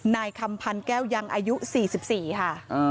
นายคำพันธ์แก้วยังอายุ๔๔ค่ะ